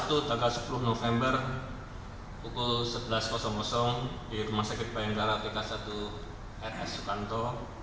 sabtu tanggal sepuluh november pukul sebelas di rumah sakit bayangkara tiga puluh satu rs sukanto